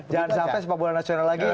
jangan sampai sepak bola nasional lagi